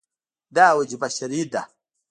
دا وجیبه شرعي ده.